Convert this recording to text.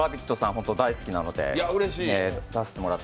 本当に大好きなので、出させてもらって。